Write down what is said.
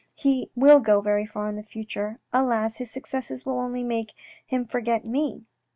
" He will go very far in the future ! Alas, his successes will only make him forget me."